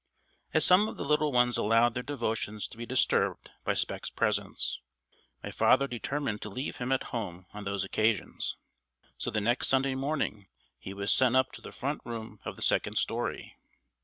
As some of the little ones allowed their devotions to be disturbed by Spec's presence, my father determined to leave him at home on those occasions. So the next Sunday morning he was sent up to the front room of the second story.